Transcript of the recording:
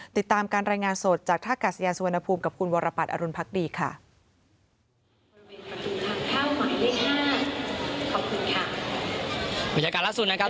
ติดตามการรายงานสดจากท่ากาศยานสุวรรณภูมิกับคุณวรปัตรอรุณพักดีค่ะ